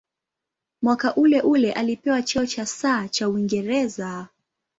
Mwaka uleule alipewa cheo cha "Sir" cha Uingereza.